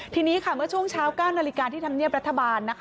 ทีนี้ค่ะเมื่อช่วงเช้า๙นาฬิกาที่ธรรมเนียบรัฐบาล